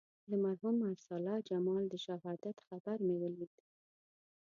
د مرحوم ارسلا جمال د شهادت خبر مې ولید.